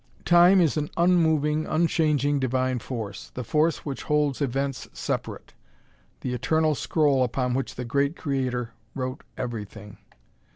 Time is an unmoving, unchanging Divine Force the force which holds events separate, the Eternal Scroll upon which the Great Creator wrote Everything.